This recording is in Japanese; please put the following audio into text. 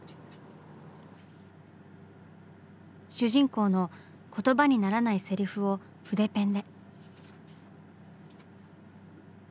主人公の言葉にならないセリフを筆ペンで。